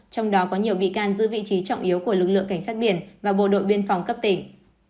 trong đó có nhiều bị can giữ vị trí trọng yếu của lực lượng cảnh sát biển và bộ đội biên phòng cấp tỉnh